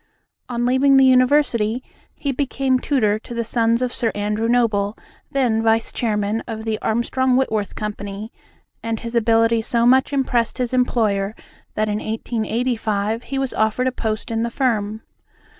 On leaving the university, he became tutor to the sons of Sir Andrew Noble, then vice chairman of the Armstrong Whitworth Company; and his ability so much impressed his employer that in 1885 he was offered a post in the firm.